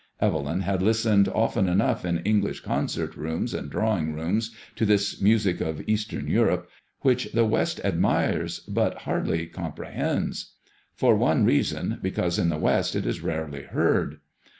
Evelyn had listened often enough in English ft MADEMOISELLE IXB. concert rooms and drawing rooms to this music of Eastern Europe, which the West ad mirers but hardly comprehends ; for one reason, because in the West it is rarely heard.